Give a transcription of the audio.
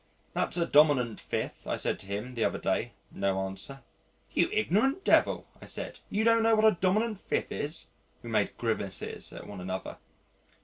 "That's a dominant fifth," I said to him the other day; no answer. "You ignorant devil," I said, "you don't know what a dominant fifth is!" We made grimaces at one another.